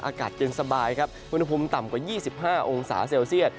อากาศเย็นสบายครับอุณหภูมิต่ำกว่า๒๕องศาเซลเซียต